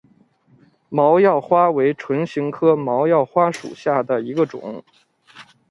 毛药花为唇形科毛药花属下的一个种。